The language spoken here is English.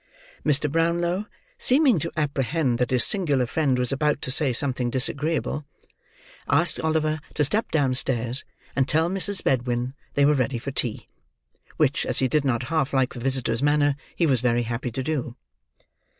Mr. Brownlow, seeming to apprehend that his singular friend was about to say something disagreeable, asked Oliver to step downstairs and tell Mrs. Bedwin they were ready for tea; which, as he did not half like the visitor's manner, he was very happy to do.